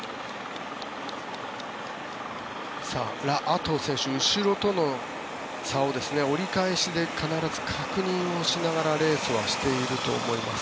ラ・アトウ選手後ろとの差を折り返しで必ず確認をしながらレースをしていると思います。